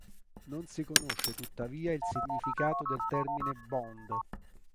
Non si conosce tuttavia il significato del termine "bund".